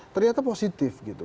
ternyata positif gitu